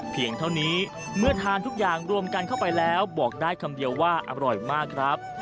เท่านี้เมื่อทานทุกอย่างรวมกันเข้าไปแล้วบอกได้คำเดียวว่าอร่อยมากครับ